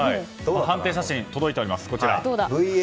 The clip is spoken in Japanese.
判定写真が届いております。